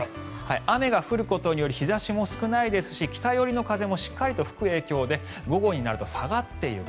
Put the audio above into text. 雨が降ることにより日差しも少ないですし北寄りの風もしっかりと吹く影響で午後になると下がっていく。